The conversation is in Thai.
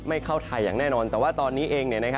เข้าไทยอย่างแน่นอนแต่ว่าตอนนี้เอง